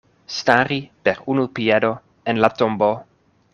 Stari per unu piedo en la tombo.